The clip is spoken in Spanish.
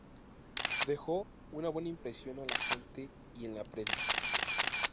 Dejó una buena impresión en la gente y en la prensa.